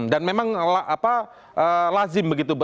dan memang lazim begitu